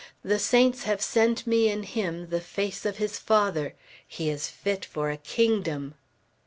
The saints have sent me in him the face of his father! He is fit for a kingdom!"